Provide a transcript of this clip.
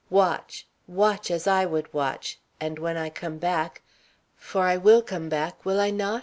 Watch! watch! as I would watch, and when I come back for I will come back, will I not?"